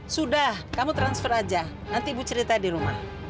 sudah kamu transfer aja nanti ibu cerita di rumah